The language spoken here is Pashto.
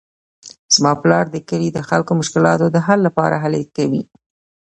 زما پلار د کلي د خلکو د مشکلاتو د حل لپاره هلې کوي